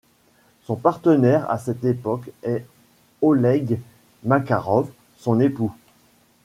Son partenaire à cette époque est Oleg Makarov, son époux.